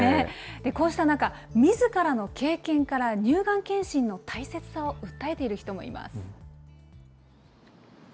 こうした中、みずからの経験から乳がん検診の大切さを訴えている人もいます。